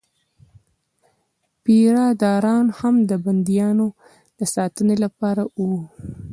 پیره داران هم د بندیانو د ساتنې لپاره وو.